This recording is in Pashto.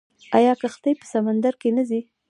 آیا کښتۍ په سمندر کې نه ځي؟